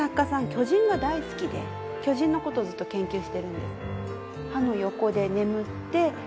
巨人が大好きで巨人の事をずっと研究してるんです。